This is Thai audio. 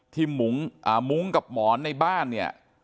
มุ้งกับหมอนในบ้านเนี่ย